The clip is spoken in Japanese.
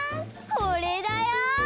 これだよ！